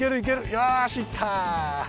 よしいった。